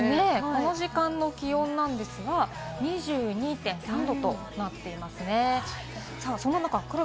この時間の気温なんですが、２２．３℃となっていますよね。